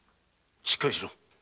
しっかりしろ。